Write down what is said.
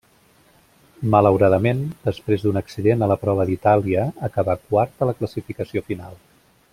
Malauradament, després d'un accident a la prova d'Itàlia acabà quart a la classificació final.